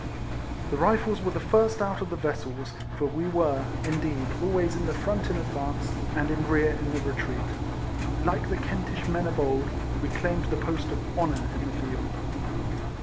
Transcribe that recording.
The Rifles were the first out of the vessels, for we were, indeed, always in the front in advance, and in rear in the retreat. Like the Kentish men of old, w^e claimed the post of honour in the field.